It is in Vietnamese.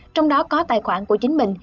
trong đó có tài khoản của chính mình